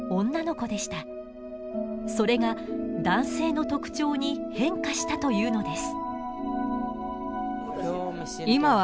それが男性の特徴に変化したというのです。